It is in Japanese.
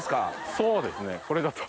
そうですねこれだと。